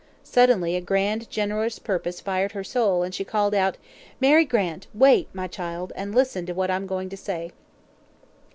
Suddenly, a grand, generous purpose fired her soul, and she called out: "Mary Grant! wait, my child, and listen to what I'm going to say."